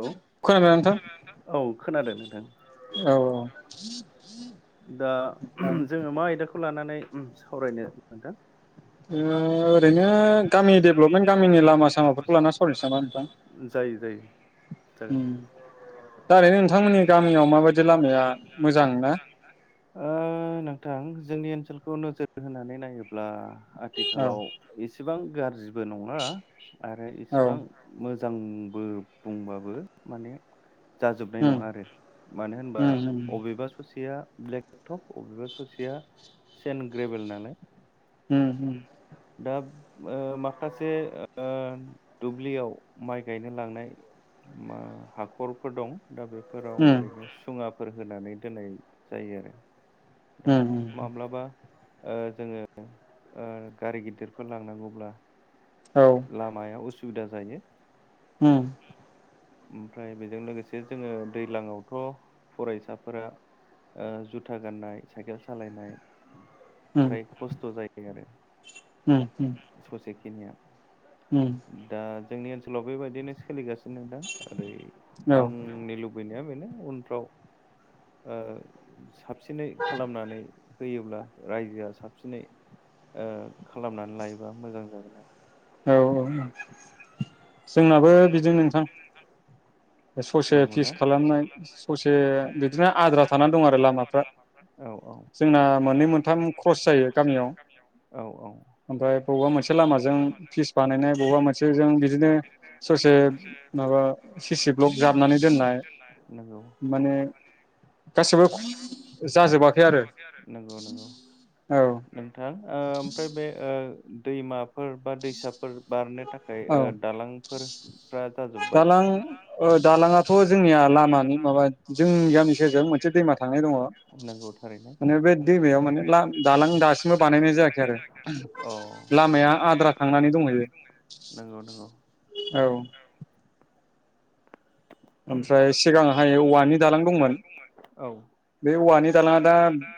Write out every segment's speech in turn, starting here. लौ खोनादोंना नोंथां औ खोनादोंना नोंथां। थां औ दा ओमफ्राय जोङो मा आयदाखौ लानानै सावरायनो नोंथां ओ ओरैनो गामि डेभलपमेन्ट गामिनि लामा सामाफोरखौ लाना सावरायसै नामा नोंथां जायो जायो जागोन दा ओरैनो नोंथांमोननि गामियाव माबायदि लामाया मोजां ना। ओ नोंथां जोंनि ओनसोलखौ नोजोर होनानै नायोब्ला औ आथिखालाव बि सेबां गाज्रिब बो नङा आरो औ इसेबां मोज ‌जांबो बुंबाबो माने जाजोबनाय उम नङा आरो मानो होनबा उम उम अबेबा ससे सेया ब्लेकटप अबेबा ससेया चेन ग्रेबेल नालाय उम दाब ओ माखासे दुब्लियाव माइ गायनो लांनाय हाखरफोर दं। दा बेफोराव उम ओरैनो सुङा फोर होनानै दोनै जायो आरो उम दा उम माब्लाबा ओ जोङो ओ गारि गिदिरफोर लांनांगौब्ला औ लामाायाव उसुब सुबिदा जायो होम ओमफ्राय बेजों लोगोसे जोङो दैज्लांवथ' फरायसाफोरा ओ जुथा गाननाय साइकेल सालायनाय। फ्राय खस्थ' जायो आरो ओम ओम खेनिया दा जोंनि ओनसोलाव बेबायदिनो सोलिगासि नोंथां ओरै औ आंनि लुबैनाय बेनो उनफ्राव ओ साबसिनै खालामनानै होयोब्ला रायजोआ साबसिनै ओ खालामनानै लायोबा मोजां जागोन आरो औ औ औ जोंनाबो बिदि नोंथां ससे नंगौना फिस खालामनाय ससे बिदिनो आद्रा थानानै दं आरो लामाफ्रा औ औ जोंना मोननै मोनथाम क्रस जायो गामियाव औ औ ओमफ्राय बबावबा मोनसे लामाजों फिस बानायनाय बबेबा मोनसे जों बिदिनो ससे माबा सिसि ब्लक सि सि ब्लग जाबनानै दोननाय दोन्नाय माने आरो गासिबो गासैबो जाजोबाखै आरो नंगौ नंगौ औ नोंथां ओमफ्राय बे ओ ओ दैमाफोर बा दैसाफोर बारनो थाखाय औ ओ दालां फोर फ्राद जाजोबबाय दालां दालाङाथ' जोंनिया लामानि माबा जोंनि गामनि गेजेराव मोनसे दैमा थांनाय द नगौ थारैनो बे दैमायाव मोनसे दालां दासिमबो बानायनाय जायाखै आरो औ लामाया आद्रा थांनानै दं नंगौ नंगौ। औ ओमफ्राय सिगांहाय औवानि दालां दंमोन औ बे औवानि दालांआ दा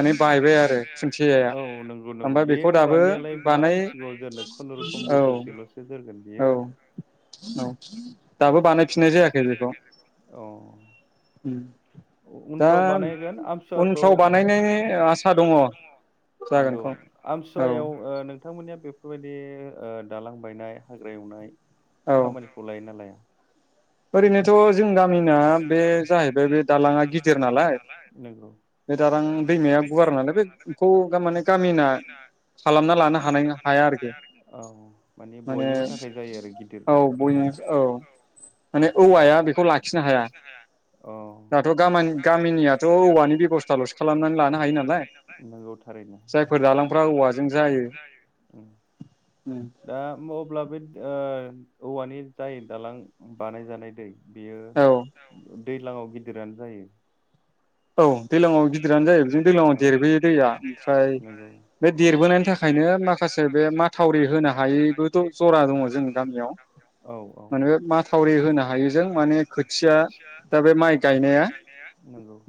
बोरायनानै बायबाय आरो औ नंगौ नंगौ ओमफ्राय बे बेखौ दाबो औवानियालाय मा बानाय बिसेबां जोरनो खुनुरुखुम औ बोसोरसेल'सो जोरगोन। औ औ। [inaudible] दाबो बानायफिननाय जायाखै बेखौ औ उम अ दा उनफ्राव बानायगोन आमसुवाफ्राव उनफ्राव बानायनायनि आसा दङ' नोंगौ जागोनखौ औ आमसुवायाव ओ नोंथांमोननिया बेफोरबायदि ओ दालां बायनाय हाग्रा एवनाय औ खामानिखौ लायोना लाया? ओरैनोथ' जों गामिना बे जाहैबाय बे दालाङा गिदिर नालाय नोंगौ बे दालां दैमाया गुवार नालाय बेखौ माने गामिना खालामना लानो हानाय हाया आरो औ माने बयनिबो थाखाय जायो आरो गिदिर औ बय दालांआ औ। माने औवाया बेखौ लाखिनो हाया अ दाथ' गामा गामिनियाथ' औवानि बेबस्थाल'सो खालामनानै लानो हायो नालाय नंगौ थारैनो जायफोर दालांफ्रा औवाजों जायो दा अब्ला बे ओ ओं औवानि जाय दालां बानाय जानाय दै औ दैज्लांआव गिदिरानो जायो। औ दैलाङाव गिदिरानो जायो बिदिनो दैलाङाव [inaudible] देरबोयो दैया ओमफ्राय अ बे देरबोनायनि थाखायनो माखासे औ बे माथावरि होनो हायैबो नंगौ जरा दङ जों गामियाव [inaudible] माने बे माथावरि होनो औऔ हायैजों माने खोथिया दा बे [inaudible] माइ गायनाया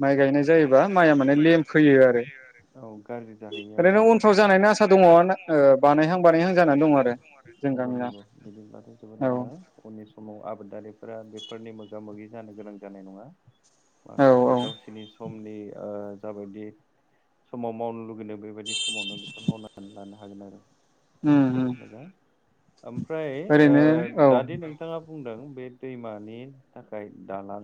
माइ [inaudible] गायनाय जायोबा माइया माने लेमफैयो आरो औ गारजि जाहैयो ओरैनो उनफ्राव जानायनि आसा आरोआबादफोरा दङ बानायहां बानायहां जानानै दं [inaudible] आरो जों नांगौ गामिना नंगौ बिदिब्लाथ' जोबोद औ मोजां उननि समाव आबादारि फोरा बेफोरनि मोगा मोगि जानो गोनां जानाय नङा। औ माखासे औ गावसिनि समानि ओ जाबायदि समाव मावनो लुबैनाय बेबायदि समावनो बिसोर मावनानै लानो हागोन आरो। उम उम जोबोद मोजां। ओमफ्राय ओ ओरैनो औ दादि नोंथाङा बुंदों बे दैमानि थाखाय दालां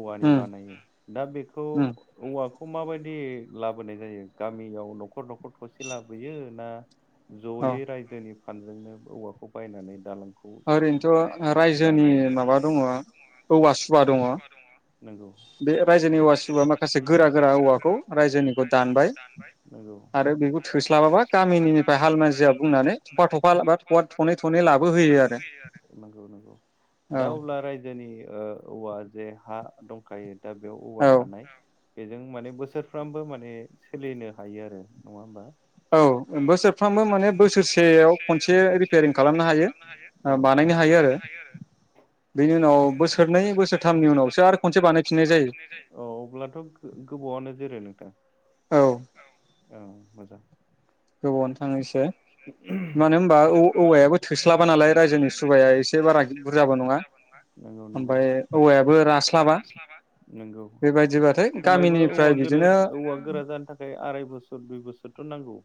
औवानि बानायो दा बेख हुम। वाखौ माबायदि लाबोनाय जायो गामियाव न'खर न'ख र थ'से लाबोयो ना? औ ज'यै रायजोनि खानजोंनो औवाखौ बायनानै दालां ओरैनोथ' रायजोनि माबा दङ' औवा सुबा दङ बे [inaudible] औ [inaudible] [inaudible] रायजोनि औवा सुबा माखासे गोरा गोरा औवाखौ रायजोनिखौ दानबाय आरो बेखौ थोस्लाबाबा गामिनिनिफ्राय हाल मानजिया बुंनानै थफा थफा बा थफा थनै थनै लाबोहोयो आरो नंगौ नंगौ दा औ अब्ला रायजोनि ओ औवा जे हा दंखायो दा बेयाव थानाय औ बेजों माने बोसोरफ्रोमबो माने सोलिनो हायो आरो नङा होमबा। औ बोसोरफ्रामबो माने बोसोरसेयाव खनसे रिपेयारिं खालामनो हायो औ बानायनो हायो आरो। बेनि उनाव बोसोरनै बोसोरथामनि उनावसो आरो खनसे बानायफिननाय जायो। औ अब्लाथ' गो-गोबावआनो जोरो नोंथां औ औ। मोजां गोबावनो थाङोसो इसे [inaudible] औ [inaudible] थोस्लाबा नालाय रायजोनि सुबाया एसे बारा बुरजाबो नङा उम [inaudible] ओमफ्राय औवायाबो रास्लाबा नंगौ बेबायदिबाथाय खमैबो गामिनिफ्राय औवा गोरो- बिदिनो औवा गोरा जानो थाखाय आराय बोसोर दुय बोस थ नांगौ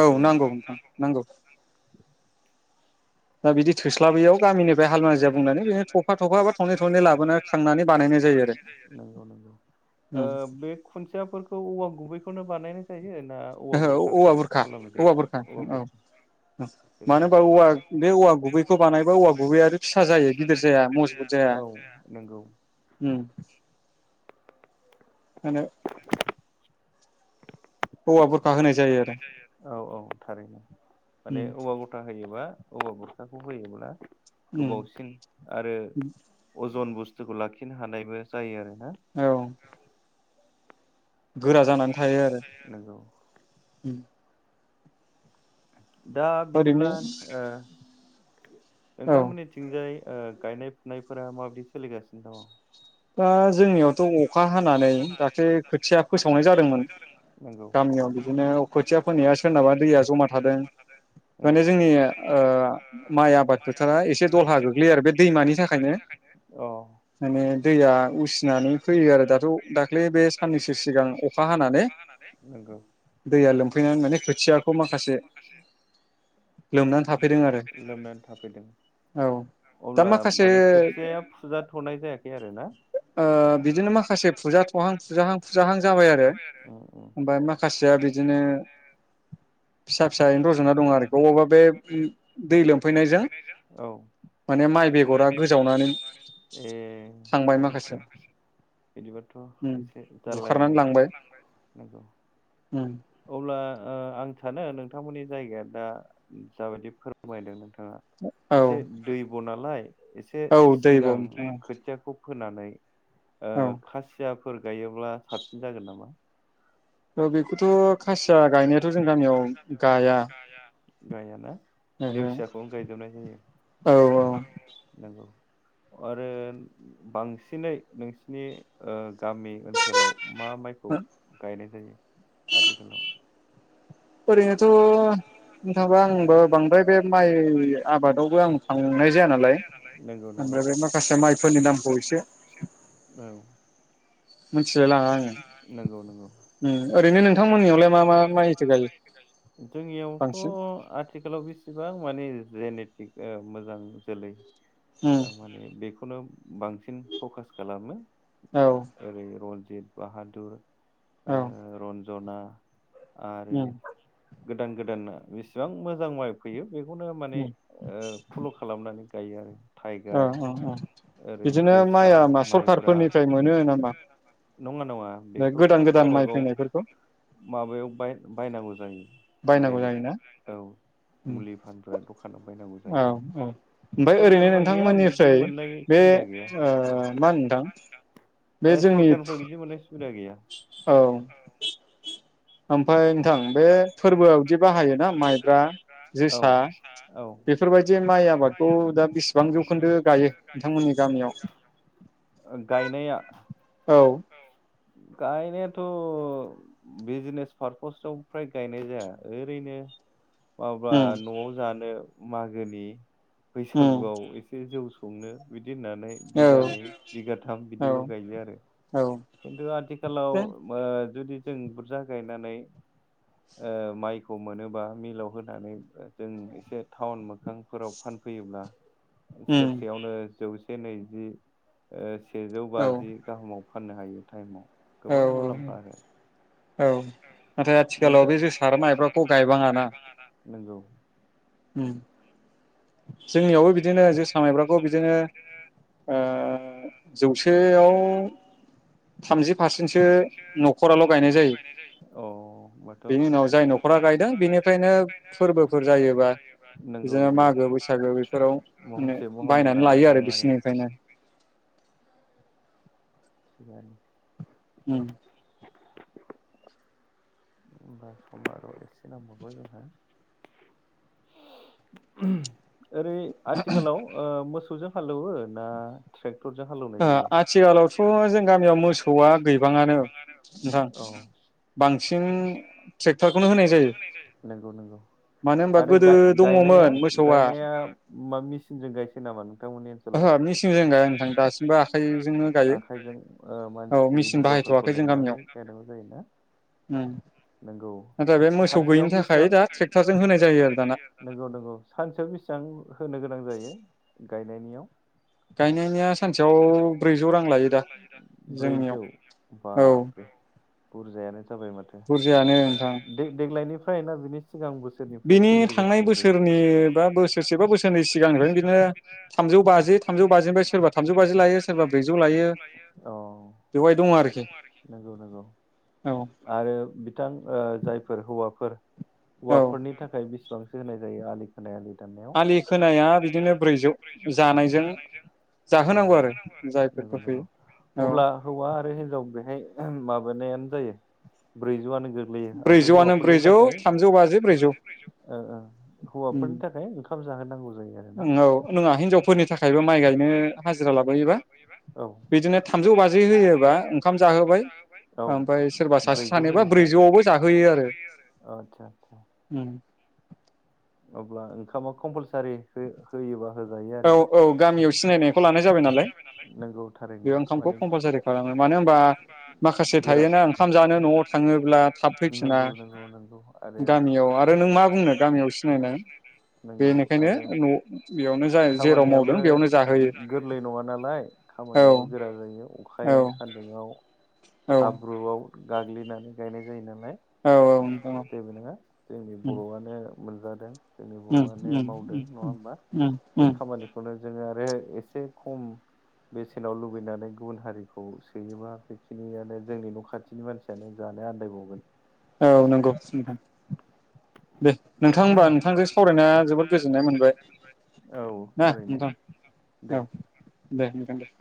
औ जोंनो। [inaudible] नांगौ नोंथां नांगौ। दा बिदि थोस्लाबैयाव गामिनिफ्राय हालमाजिया बुंनानै बेनो थफा दंफां बा थनै थनै लाबोना खांनानै बानायनाय जायो आरो ओ बे खुन्थियाफोरखौ औवा गुबैखौनो बानायनाय जायो। ना औवा औ बुरखाखौ औवा बुरखा खालामनाय औवा बुरखा जायो औवा औ बुरखा जोबोद मानो होनबा मोजां औव बे औवा गुबै खौ बानायबा औवा गुबै आरो फिसा जायो गिदिर जाया मजबुत जाया औ नंगौ उम [unintelligible] औवा बुरखा होनाय जायो आरो औ औ थारैनो माने उम औवा बुरखा होयोबा [unintelligible] खौ होयोब्ला उम गोबावसिन आरो अजन ब [unintelligible] लाखिनो हानायबो जायो आरो। औ। गोरा जानानै थायो आरो। नंगौ [unintelligible] दा ओरैनो बिदिब्ला ओ औ नोंथांमोननि थिंजाय ओ गायनाय फुनायफोरा माबायदि सोलिगासिनो दङ। दा जोंनियावथ अखा हानानै दाख्लै खोथिया फोसावनाय जादोंमोन नंगौ गामियाव बिदिनो खोथिया फोनाया सोरनाबा दैया जमा थादों माने जोंनि ओ माइ आबाद फोथारा एसे दलहा गोग्लैयो आरो बे दैमानि थाखायनो माने अ। दैया उसिनानै फैयो आरो दाथ दाख्लै बे साननैसो सिगां अखा हानानै नंगौ दैया लोमफैनानै माने खोथियाखौ माखासे [unintelligible] लोमनानै थाफैदों आरो औ दा अब्ला माखासे माने खोथियाया फुजाथनाय जायाखै आरोना ओ बिदिनो माखासे फुजा थहां फुजाहां फुजाहां जाबाय आरो उम उम ओमफाय माखासेया बिदिनो फिसा औ फिसायैनो रज'ना ए दं आरो अबावबा बे दै लोमफैनायजों माने माइ बेगरा गोजावनानै थांबाय माखासे अब्लाथ बिदिबाथ उम एसे बुखारनानै जारलायानो लांबाय नौंगौ। उम। अब्ला ओ आं थानो नोंथांमोननि जायगाया दा जाबायदि फोरमायदों नों [unintelligible] औ एसे दै ब' नालाय एसे औ दैब' सिगां नोंथां खोथियाखौ फोनानै। ओ औ खासिया। फोर गायोब्ला साबसिन जागोन नामा। ओ बेखौथ' खासिया गायनायाथ जों गामियाव गाया गायाना ओहो लेवसियाखौ गायजोबनाय जायो औ औ नोंगौ आरो बांसिनै नोंसिनि ओ गामि ओनसोलाव मा माइखौ औ गायनाय जायो आथिख ओरैनोथ बा आंबो बांद्राय बे माइ आबादावबो आं थांनाय जाया नालाय नंगौ नंगौ ओमफ्राय बे माइफोरनि माखासे माइफोरनिखौ एसे नामखौ इसे औ मिथिलाय लाङा आङो नंगौ नंगौ उम ओरैनो नोंथांमोननियावलाय मा मा माइथो गायो? जोंनियावथ' बांसिन आथिखालाव बेसेबां मान नि जेनेटिक ओ मोजां जोलै उम माने बेखौनो बांसिन फकास खालामो। औ ओैरै रन बेद बाहादुर औ जना आरो उम गोदान गोदाना बिसिबां मोजां माइ फैयो बेखौनो माने उम ओ फल खालामनानै गायो आरो औ टाइगार औ औ ओरै बिदिनो जोसा माइया मा माइब्रा सरखारफोरनिफ्राय मोनो नामा [unintelligible] नङा नङा बे बेखौ गोदान खुद गोदान गावब माइ गाव फैनायफोरखौ माबायाव बाय बायनांगौ जायो। बे बायनांगौ जायोना औ उम मुलि फानग्रा दखानाव बाय नांगौ औ जायो आरो ओमफ्राय ओरैनो सरखारनिफ्राय गैया बिदि नोंथांमोननिफ्राय मोननाय बे सुबिदा गैया ओ मा होनो नोंथां सरखारनिफ्राय ए बे जोंनि सरखारनिफ्राय बिदि मोननाय सुबिदा गैया। औ ओमफाय नोंथां बे फोरबोआवदि बाहायो ना माइब्रा औ जोसा औ बेफोरबायदि माइ आबादखौ दा बेसिबां जौखोन्दो गायो नोंथांमोननि गामियाव? औ गायनायथ' बिजनेस पारपसाव फ्राय गायनाय जाया ओरैनो मावबा उम न'आव जानो मागोनि उम बैसागुआव एसे जौ संनो बिद दोननानै औ बिगानै बिगाथाम औ बिदिल' गायो आरो औ खिन्थु आथिखालाव ओ जुदि जों बुरजा गाय [unintelligible] ओ माइखौ मोनोबा मिलाव होनानै जों एसे टाउन मोखांफोराव फानफैयोब्ला उम सेरसेयावनो जौ से नैजि ओ सेजौ औ बाजि गाहामाव फाननो हायो टाइमाव औ गोबां मुलाम्फा आरो औ नाथाय नोंथां आथिखालाव बे जोसा आरो माइब्राखौ गायबाङाना? नोंगौ। उम जोंनियावबो बिदिनो जोसा माइब्राखौ बिदिनो ओ जौसेयाव थामजि पारसेन्टसो न'खराल' गायनाय जायो अ होमबाथ' बेनि उनाव जाय न'खरा गायदों बेनिफ्रायनो फोरबोफोर जायोबा नंगौ बिदिनो नंगौ मागो बैसागो फोराव नो महनसे महननै बायनानै लानानै लायो आरो थाङो बिसिनिफ्रायनो [unintelligible] उम समबार समबाराव एसे नांबावगौ जोंहा ओरै आथिखालाव ओ मोस सौजों हालौवो ना ट्रेक टरजों हालेवनाय जायो ओ आथिखालावथ' जों आथिखालाव गामियाव बा मोसौआ जों गैबाङानो गामियावनो मोसौआ नोंथां गैबाङानो ओ बांसिन बांसिनानो ट्रेक्टरजोंनो हाल ट्रेक्टरखौनो होनाय एवनाय जायो नंगौ नंगौ मानो होनबा आरो गोदो गाय-गायनाया दङमोन गायनाया मोसौआ मा मेसिनजों गायसै नामा नोंथां? ओहो मेसिंजों गाया नोंथां दासिमबो आखाइजोंनो गायो। आखाइजों ओ औ मानसि मेचिन हिनजावफोरखौ बाहायथ'वाखै जों लेंनानै गामियाव गायनांगौ जायोना उम नोंगौ नाथाय बे मोसौ गैयिनि सानसेयाव थाखाय बेसेबां दा ट्रेक्टरजों होनाय जायो आरो दाना नंगौ नंगौ सानसेयाव बेसेबां होनो गोनां जायो? गायनायनियाव गायनायनिया सानसेयाव ब्रैजौ रां लायो दा [unintelligible] जोंनियाव ब्रैजौ औ बुरजायानो जाबाय माथो बुरजायानो नोंथां देग्लायनि जायो ना बिनि सिगां बोसोरनिफ्राय सोलिासिगोन बोसोरनि बा बोसोरसे बा बोसोरनै सिगांनिफ्रायनो बिदिनो थामजौ बाजि थामजौ बाजिनि सोरबा थामजौ बाजि लायो सोरबा बेवहाय दं आरोखि [unintelligible] नंगौ औ आरो बिथां जायफोर हौवाफोर औ हौवाफोरनि थाखाय बेसे बांसे होनाय जायो आलि खोनाय आलि दाननायाव आलि खोनाया बिदिनो ब्रैजौ जानायजों औ जाहोनांगौ आरो जायफोर अब्ला हौवा आरो हिनजाव बेहाय माबानायानो जायो ब्रैजौआनो गोग्लैयो ओमफ्राय ब्रैजौआनो हौवाफोरनि ब्रैजौ थाखाय थामजौ बाजि ब्रैजौ औ हौवाफोरनि थाखाय खाम जाहोनांगौ। जायो आरोना औ नङा हिनजावफोरनि थाखायबो माइ गायनो हाजिरा लाबोयोबा? बिदिनो थामजौ औ बाजि होयोबा ओंखाम औ जाहोबाय ब्रैजौ ओमफ्राय सोरबा सासे होयोबा सानैबा ब्रैजौआवबो अ जाहोयो आरो आतसा आतसा। अब्ला ओंखामा कम्पालसारि होयोबा औ औ गामियाव सिनायनायखौ लानाय जाबाय नालाय ओंखामखौ कमपालसरि खालामो मानो होनब्ला माखासे [unintelligible] थायोना जानो ओंखाम न'आव जानो थाङोब्ला थाब न'आव फैफिना थाङोब्ला [unintelligible] आरो नों मा बुंनो गामियाव बेनिखायनो न'आव बेयावनो जाय जेराव खामानियाबो मावदों बेयावनो जाहोयो गोरलै नङा नालाय औ खामानियाबो गोरा जायो औ अखायाव सान्दुङाव औ हाब्रुआव गाग्लिनानै गायनाय जायो नालाय। औ औ नोंथां औ जेबो नङा जोंनि बर'आनो [unintelligible] [unintelligible] जोंनि उम बर'आनो मावदों नङा उम होमबा उम बे उम खामानिखौनोनो जोङो आरो एसे खम बेसेनाव लुबैनानै गुबुन हारिखौ सोयोबा बेखिनियानो जोंनि न' खाथिनि मानसियानो जानो आन्दायबावगोन। औ नंगौ नोंथां दे नोंथां। नोंथां होनबा नोंथांजों सावरायनाया जोबोद गोजोननाय मोनबाय औ ना थारैनो नोंथां दे औ। दे नोंथां दे।